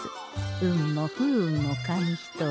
運も不運も紙一重。